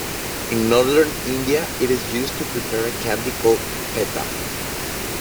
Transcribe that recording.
In northern India it is used to prepare a candy called "Petha".